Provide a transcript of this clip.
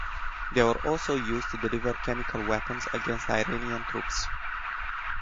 They were also used to deliver chemical weapons against Iranian troops.